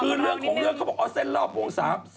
คือเรื่องของเรื่องเขาบอกเอาเส้นรอบวง๓๓